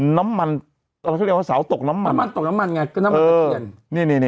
น้ำมันเขาเรียกว่าเสาตกน้ำมันน้ำมันตกน้ำมันไงก็น้ำมันตะเคียน